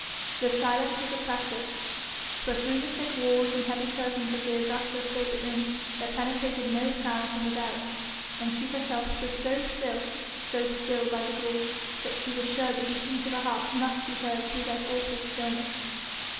The silence was oppressive, for through the thick walls and heavy curtains of the Augusta's favourite room there penetrated no sound from without, and she herself stood so still, so still by the door, that she was sure the beatings of her heart must be heard through that awful stillness.